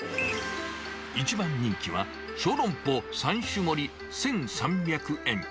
一番人気は、小籠包３種盛り１３００円。